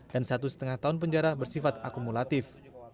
dan satu lima tahun penjara bersifat akumulatif